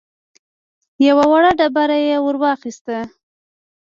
يوه وړه ډبره يې ور واخيسته.